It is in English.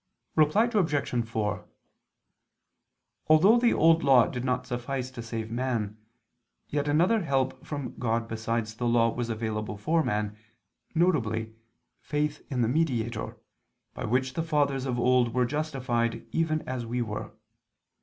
Reply Obj. 4: Although the Old Law did not suffice to save man, yet another help from God besides the Law was available for man, viz. faith in the Mediator, by which the fathers of old were justified even as we were.